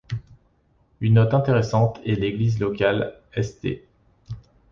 Une note intéressante est l'église locale, St.